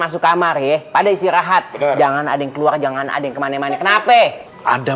masuk kamar ya pada istirahat jangan ada yang keluar jangan ada yang kemana mana kenapa ada